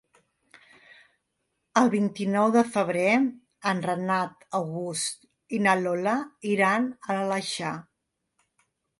El vint-i-nou de febrer en Renat August i na Lola iran a l'Aleixar.